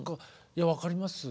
いや分かります。